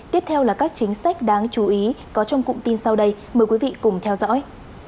tiếp theo là các chính sách đáng chú ý có trong cụm tin sau đây mời quý vị cùng theo dõi